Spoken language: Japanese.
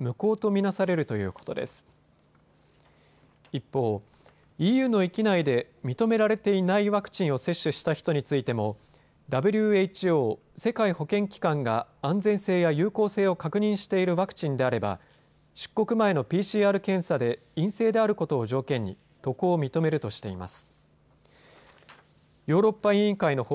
一方、ＥＵの域内で認められていないワクチンを接種した人についてもＷＨＯ・世界保健機関が安全性や有効性を確認しているワクチンであれば出国前のＰＣＲ検査で陰性であることを条件に渡航を認めるとしています。